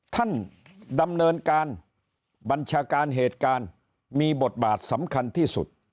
ท่านดำเนินการบัญชาการเหตุการณ์มีบทบาทสำคัญที่สุด